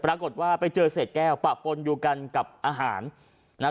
ปรากฏว่าไปเจอเศษแก้วปะปนอยู่กันกับอาหารนะฮะ